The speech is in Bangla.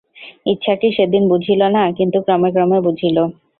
ইচ্ছা কী সেদিন বুঝিল না কিন্তু ক্রমে ক্রমে বুঝিল।